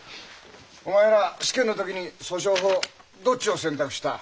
お前ら試験の時に訴訟法どっちを選択した？